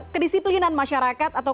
kedisiplinan masyarakat atau